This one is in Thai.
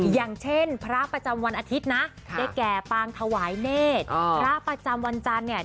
อย่างเช่นพระประจำวันอาทิตย์นะได้แก่ปางถวายเนธพระประจำวันจันทร์เนี่ย